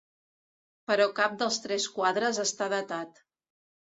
Però cap dels tres quadres està datat.